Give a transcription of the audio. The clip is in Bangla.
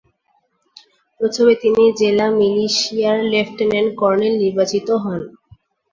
প্রথমে তিনি জেলা মিলিশিয়ার লেফটেন্যান্ট কর্নেল নির্বাচিত হন।